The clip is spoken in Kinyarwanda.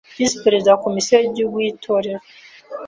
Visi Perezida wa Komisiyo y’Igihugu y’Itorero